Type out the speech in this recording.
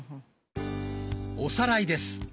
おさらいです。